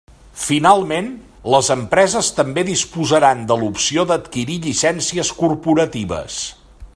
Finalment, les empreses també disposaran de l'opció d'adquirir llicències corporatives.